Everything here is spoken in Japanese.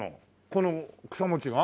この草餅が？